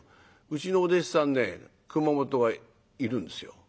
うちのお弟子さんね熊本がいるんですよ。